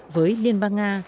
với liên bang nga